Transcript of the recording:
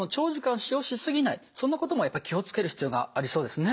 そんなこともやっぱり気を付ける必要がありそうですね。